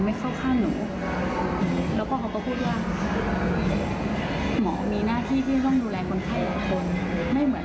มีเยอะคือเขาจะเข้าใจว่าเทศหลังเทแพ้นั่นมีเยอะมาก